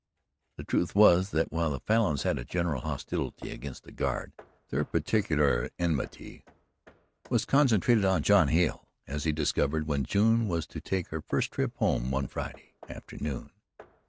The truth was that, while the Falins had a general hostility against the Guard, their particular enmity was concentrated on John Hale, as he discovered when June was to take her first trip home one Friday afternoon.